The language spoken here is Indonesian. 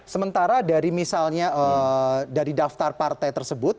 sementara dari misalnya dari daftar partai tersebut